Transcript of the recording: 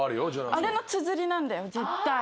あれのつづりなんだよ絶対。